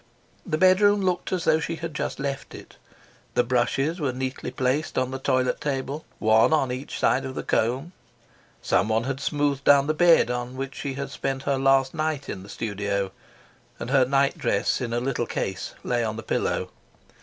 The bedroom looked as though she had just left it: the brushes were neatly placed on the toilet table, one on each side of the comb; someone had smoothed down the bed on which she had spent her last night in the studio; and her nightdress in a little case lay on the pillow.